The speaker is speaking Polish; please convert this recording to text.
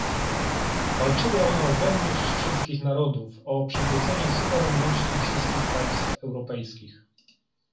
Walczyły one o wolność wszystkich narodów, o przywrócenie suwerenności wszystkich państw europejskich